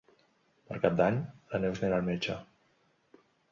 Per Cap d'Any na Neus anirà al metge.